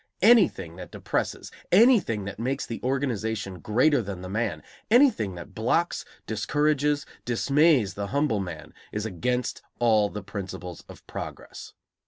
Anything that depresses, anything that makes the organization greater than the man, anything that blocks, discourages, dismays the humble man, is against all the principles of progress.